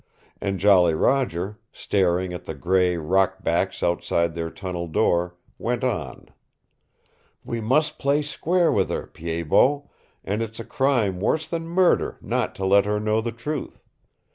And Jolly Roger, staring at the gray rock backs outside their tunnel door, went on. "We must play square with her, Pied Bot, and it's a crime worse than murder not to let her know the truth.